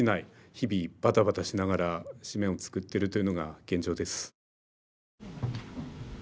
日々バタバタしながら紙面を作ってるというのが現状です。